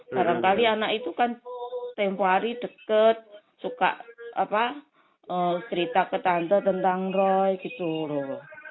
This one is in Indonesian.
barangkali anak itu kan tempoh hari deket suka cerita ke tante tentang roy gitu